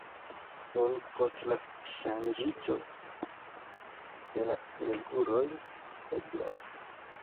Nun, post la ŝanĝiĝo de la reguloj eblas.